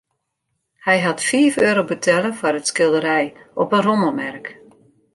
Hy hat fiif euro betelle foar it skilderij op in rommelmerk.